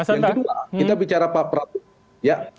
yang kedua kita bicara pak prabowo